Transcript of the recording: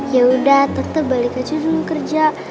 ya udah tetap balik aja dulu kerja